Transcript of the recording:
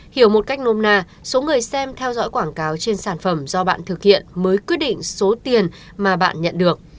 hiểu một cách nôm na số người xem theo dõi quảng cáo trên sản phẩm do bạn thực hiện mới quyết định số tiền mà bạn nhận được